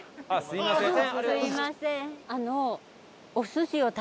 すみません。